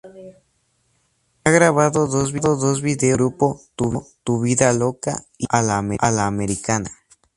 Ha grabado dos vídeos con su grupo, ¨Tu vida loca¨ y ¨A la americana¨.